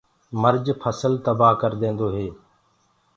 مرج ڦسل تبآه ڪرديندو هي۔